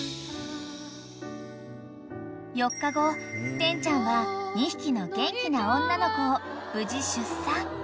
［４日後テンちゃんは２匹の元気な女の子を無事出産］